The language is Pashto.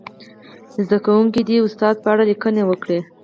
زده کوونکي دې د ښوونکي په اړه لیکنه وکړي.